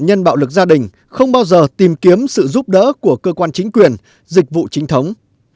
nhân bạo lực gia đình không bao giờ tìm kiếm sự giúp đỡ của cơ quan chính quyền dịch vụ chính thống